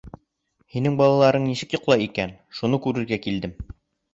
— Һинең балаларың нисек йоҡлай икән, шуны күрергә килдем.